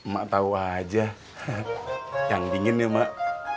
mak tahu aja yang dingin ya mak